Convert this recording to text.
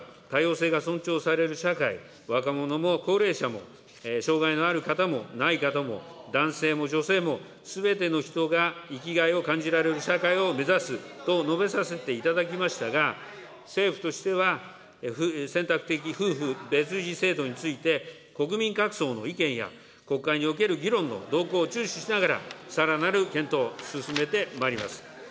所信表明演説の中では、多様性が尊重される社会、若者も高齢者も障害のある方もない方も、男性も女性も、すべての人が生きがいを感じられる社会を目指すと述べさせていただきましたが、政府としては、選択的夫婦別氏制度については、国民各層の意見や、国会における議論の動向を注視しながら、さらなる検討を進めてまいります。